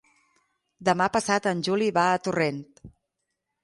Demà passat en Juli va a Torrent.